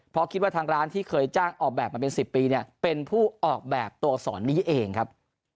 เพราะคิดว่าทางร้านที่เคยจ้างออกแบบมาเป็น๑๐ปีเนี่ยเป็นผู้ออกแบบตัวสอนนี้เองครับ